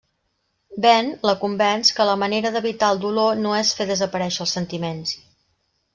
Ben la convenç que la manera d'evitar el dolor no és fer desaparèixer els sentiments.